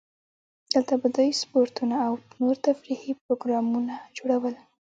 دلته به دوی سپورتونه او نور تفریحي پروګرامونه جوړول.